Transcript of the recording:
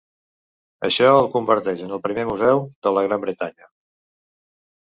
Això el converteix en el primer museu de la Gran Bretanya.